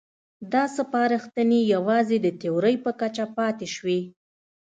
دا سپارښتنې یوازې د تیورۍ په کچه پاتې شوې.